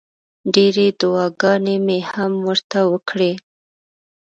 ډېرې دوعاګانې مې هم ورته وکړې.